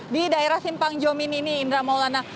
di daerah simpang jomin ini indra maulana